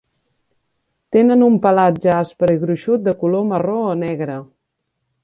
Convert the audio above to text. Tenen un pelatge aspre i gruixut de color marró o negre.